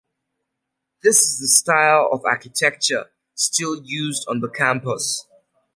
This is the style of architecture still used on the campus.